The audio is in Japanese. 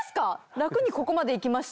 楽にここまでいきました。